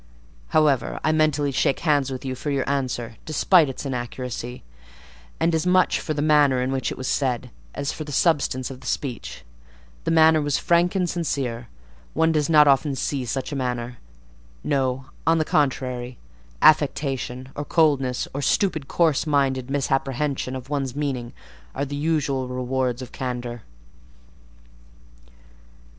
However, I mentally shake hands with you for your answer, despite its inaccuracy; and as much for the manner in which it was said, as for the substance of the speech; the manner was frank and sincere; one does not often see such a manner: no, on the contrary, affectation, or coldness, or stupid, coarse minded misapprehension of one's meaning are the usual rewards of candour.